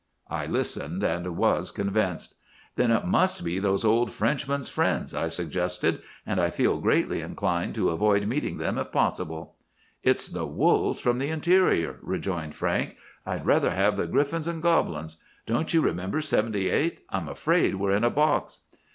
"I listened, and was convinced. "'Then it must be those old Frenchmen's friends,' I suggested; 'and I feel greatly inclined to avoid meeting them if possible.' "'It's the wolves from the interior,' rejoined Frank. 'I'd rather have the griffins and goblins. Don't you remember '78? I'm afraid we're in a box.